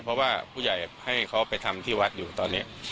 เพราะว่าผู้ใหญ่ให้เขาไปทำที่วัดอยู่ตอนนี้